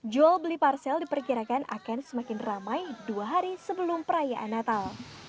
jual beli parsel diperkirakan akan semakin ramai dua hari sebelum perayaan natal